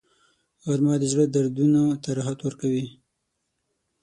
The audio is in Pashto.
غرمه د زړه دردونو ته راحت ورکوي